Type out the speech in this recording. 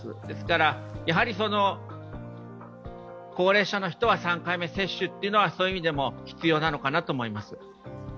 ですから高齢者の人は３回目接種というのはそういう意味でも必要なのかなと思います。